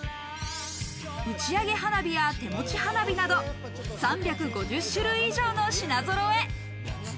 打ち上げ花火や手持ち花火など３５０種類以上の品ぞろえ。